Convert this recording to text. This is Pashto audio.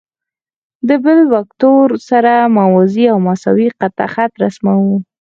د بل وکتور سره موازي او مساوي قطعه خط رسموو.